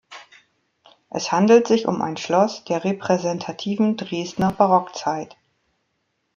Es handelt sich um ein Schloss der repräsentativen Dresdner Barockzeit.